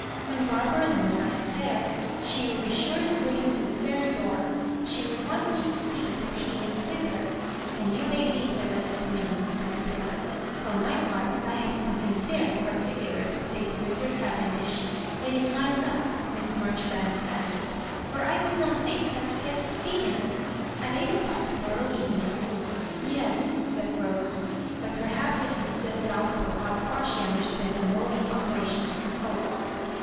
When Barbara knows I am there, she will be sure to bring him to the very door; she will want me to see that ho is with her ; and you may leave the rest to me," said Lucilla. " For my part, I have something very particular to say to Mr. Cavendish. It is my luck," Miss Marjori banks added, for I could not think how to get to see him. At eight o'clock to morrow even ing " ''Yes." said Rose; but perhaps it was still doubtful how fiu she understood the mode of operations proposed.